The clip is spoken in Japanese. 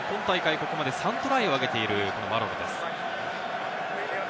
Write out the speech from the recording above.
ここまで３トライを挙げているマロロです。